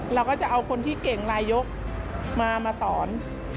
เราก็จะเอาคนที่เก่งลายยกมาสอน